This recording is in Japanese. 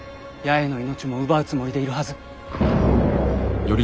八重の命も奪うつもりでいるはず。